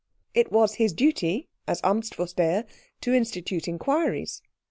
It was his duty as Amtsvorsteher to institute inquiries.